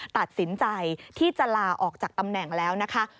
ตัดสินใจที่จะลาออกจากตำแหน่งแล้วนะคะ